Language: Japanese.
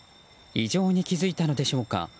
異常に気付いたのでしょうか。